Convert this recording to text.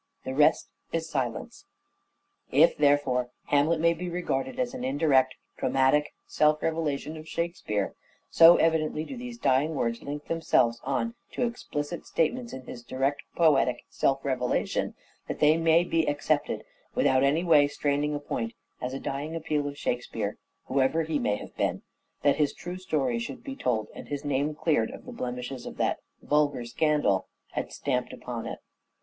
...... The rest is silence." If, therefore, Hamlet may be regarded as an indirect dramatic self revelation of Shakespeare, so evidently do these dying words link themselves on to explicit 484 "SHAKESPEARE" IDENTIFIED Reparation statements in his direct poetic self revelation, that demanded. ,,,,.,,,. they may be accepted, without in any way straining a point, as a dying appeal of " Shakespeare," whoever he may have been, that his true story should be told and his name cleared of the blemishes that ' vulgar scandal ' had stamped upon it.